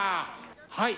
はい。